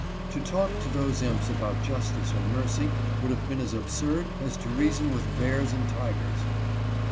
To talk to those imps about justice or mercy would have been as absurd as to reason with bears and tigers.